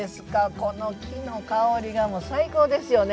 この木の香りが最高ですよね。